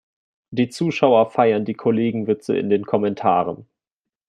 Die Zuschauer feiern die Kollegenwitze in den Kommentaren.